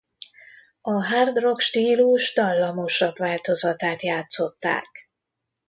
A hard-rock stílus dallamosabb változatát játszották.